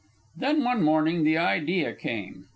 Then one morning the idea came.